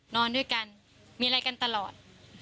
นอนด้วยกันมีอะไรกันตลอด